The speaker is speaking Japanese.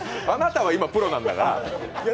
あなたは今プロなんだから。